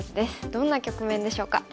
どんな局面でしょうか。